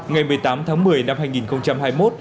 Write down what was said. ngày một mươi tám tháng một mươi năm hai nghìn hai mươi một